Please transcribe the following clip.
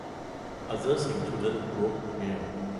Others included "Rogue Male".